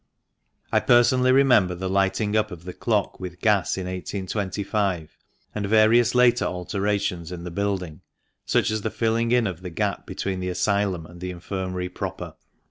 I personally remember the lighting up of the clock with gas in 1825, and various later alterations in the building, such as the filling in of the gap between the Asylum aud the Infirmary proper.